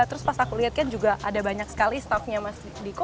terus pas aku lihat kan juga ada banyak sekali staffnya mas diko